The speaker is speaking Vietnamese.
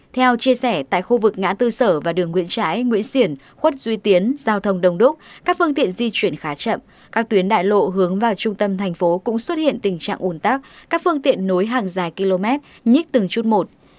theo chia sẻ tại khu vực ngã tư sở và đường nguyễn trãi nguyễn xiển khuất duy tiến giao thông đông đúc các phương tiện di chuyển khá chậm các tuyến đại lộ hướng vào trung tâm thành phố cũng xuất hiện tình trạng ủn tắc các phương tiện nối hàng dài km nhích từng chút một